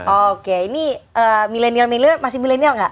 oke ini milenial milenial masih milenial nggak